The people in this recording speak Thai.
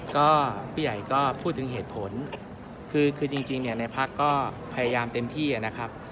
ก็ผู้ใหญ่ก็พูดถึงเหตุผลคือจริงเนี่ยในพักก็พยายามเต็มที่นะครับ